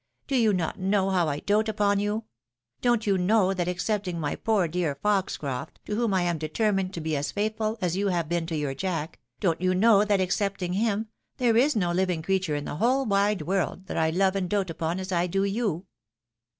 Do you not know how I dote upon you ? Don't you know, that excepting my poor dear Foxcroft, to whom I am determined to be as faithful as you have been to your Jack, don't you know that excepting him, there is no living creature ia the whole wide world, that I love and dote upon as I do you."